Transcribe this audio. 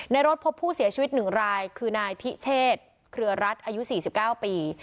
รถพบผู้เสียชีวิต๑รายคือนายพิเชษเครือรัฐอายุ๔๙ปี